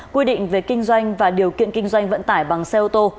quy định về kinh doanh và điều kiện kinh doanh vận tải bằng xe ô tô